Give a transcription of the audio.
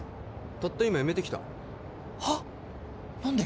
たった今辞めてきたはっ何で？